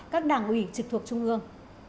các đảng ủy trực thuộc trung ương